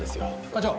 課長。